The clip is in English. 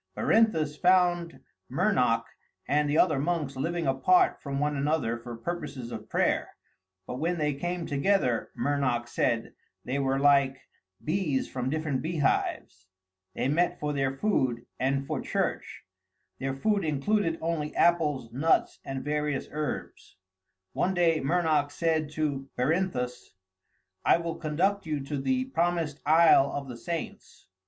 Berinthus found Mernoc and the other monks living apart from one another for purposes of prayer, but when they came together, Mernoc said, they were like bees from different beehives. They met for their food and for church; their food included only apples, nuts, and various herbs. One day Mernoc said to Berinthus, "I will conduct you to the Promised Isle of the Saints."